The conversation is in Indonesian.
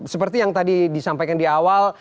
seperti yang tadi disampaikan di awal